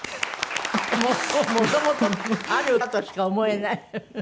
もうもともとある歌としか思えない。